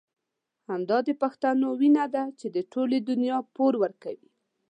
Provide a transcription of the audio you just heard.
همدا د پښتنو وينه ده چې د ټولې دنيا پور ورکوي.